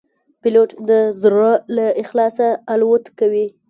پیلوټ د زړه له اخلاصه الوت کوي.